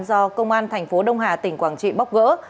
do công an tp đông hà tỉnh quảng trị bóc gỡ